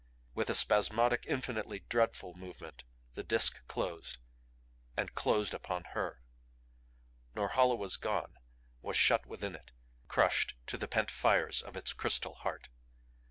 With a spasmodic, infinitely dreadful movement the Disk closed And closed upon her! Norhala was gone was shut within it. Crushed to the pent fires of its crystal heart.